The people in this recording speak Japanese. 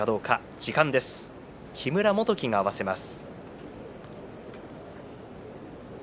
時間です、木村元基が合わせます。